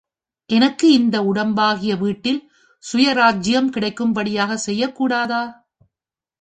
எனக்கு இந்த உடம்பாகிய வீட்டில் சுயராஜ்யம் கிடைக்கும்படியாகச் செய்யக் கூடாதா?